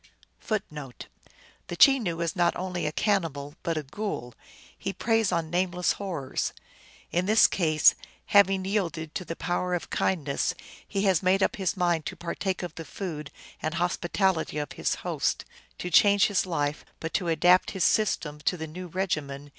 1 1 The Chenoo is not only a cannibal, but a ghoul. He preys on nameless horrors. In this case, " having yielded to the power of kindness, he has made up his mind to partake of the food and hospitality of his hosts," "to change his life; but to adapt his 236 THE ALGONQUIN LEGENDS.